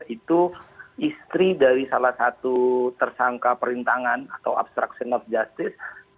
itu istri dari salah satu tersangka perintangan atau obstruction of justice